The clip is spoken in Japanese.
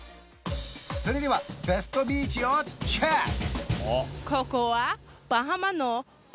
それではベストビーチをチェック